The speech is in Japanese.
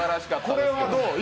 これはどう？